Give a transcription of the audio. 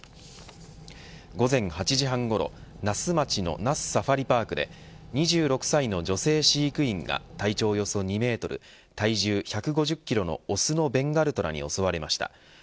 午前８時半ごろ那須町の那須サファリパークで２６歳の女性飼育員が体長およそ２メートル体重１５０キロのオスのベンガルトラに襲われました。